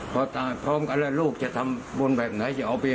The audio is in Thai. พอตายพร้อมกันแล้วลูกจะทำบุญแบบไหนจะเอาไป